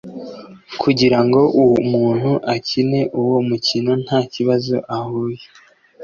kugira ngo umuntu akine uwo mukino nta kibazo ahuye